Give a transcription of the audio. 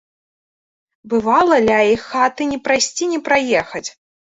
Бывала, ля іх хаты ні прайсці ні праехаць.